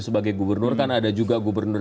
sebagai gubernur kan ada juga gubernur